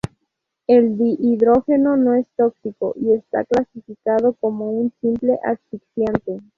El dihidrógeno no es tóxico y está clasificado como un simple asfixiante.